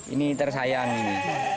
ini tersayang ini